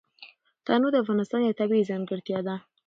تنوع د افغانستان یوه طبیعي ځانګړتیا ده.